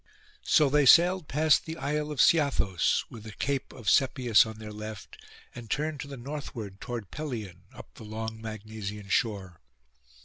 So they sailed past the Isle of Sciathos, with the Cape of Sepius on their left, and turned to the northward toward Pelion, up the long Magnesian shore.